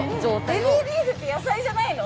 ベビーリーフって野菜じゃないの？